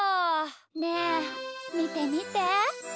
ねえみてみて！